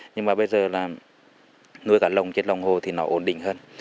nhưng mà bây giờ là nuôi cả lồng trên lồng hồ thì nó ổn định hơn